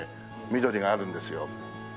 緑があるんですよ。